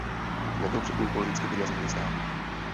Nebyl předtím politicky výrazněji znám.